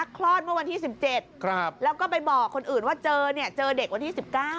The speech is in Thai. คลอดเมื่อวันที่๑๗แล้วก็ไปบอกคนอื่นว่าเจอเนี่ยเจอเด็กวันที่๑๙